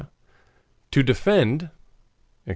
"to defend," etc.